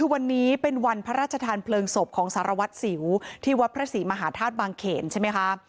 วันนี้เป็นวันพระราชทานเพลิงศพของสารวัตรสิวที่วัดพระศรีมหาธาตุบางเขนใช่ไหมคะ